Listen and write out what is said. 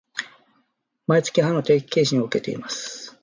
毎月、歯の定期検診を受けています